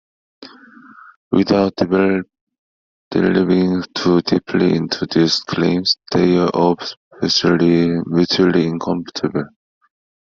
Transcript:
Without delving too deeply into these claims, they are obviously mutually incompatible.